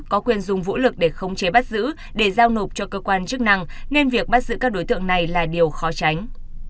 có quyền dùng vũ lực để khống chế bắt giữ để giao nộp cho cơ quan chức năng nên việc bắt giữ các đối tượng này là điều khó tránh